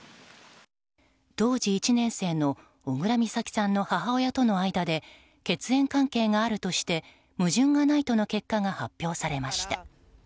当時１年生の小倉美咲さんの母親との間で血縁関係があるとして矛盾がないとの結果が発表されました。